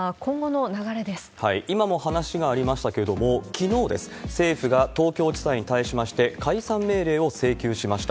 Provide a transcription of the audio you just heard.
今も話がありましたけれども、きのうです、政府が東京地裁に対しまして、解散命令を請求しました。